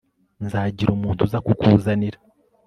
nzagira umuntu uza kukuzanira